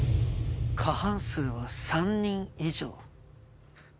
過半数は３人以上。